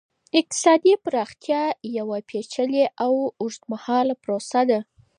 اقتصادي پرمختيا يوه پېچلې او اوږدمهاله پروسه ده.